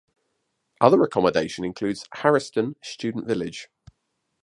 Other accommodation includes Harriston Student Village.